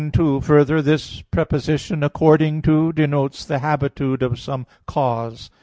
2: Further, this preposition, "according to," denotes the habitude of some cause.